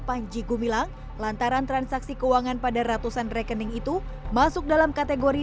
panji gumilang lantaran transaksi keuangan pada ratusan rekening itu masuk dalam kategori